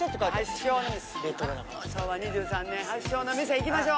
昭和２３年発祥の店行きましょう。